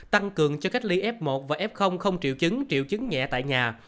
tăng cường cho cách ly f một và f không triệu chứng triệu chứng nhẹ tại nhà